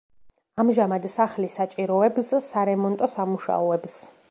ამჟამად სახლი საჭიროებს სარემონტო სამუშაოებს.